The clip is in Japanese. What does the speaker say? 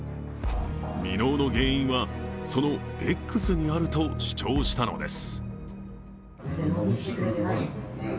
未納の原因は、そのＸにあると主張したのです。